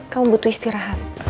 kamu butuh istirahat